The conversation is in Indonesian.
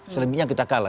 selebihnya kita kalah